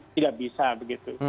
tidak bisa begitu